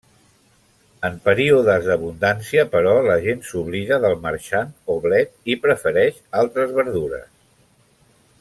En períodes d'abundància, però, la gent s'oblida del marxant o blet i prefereix altres verdures.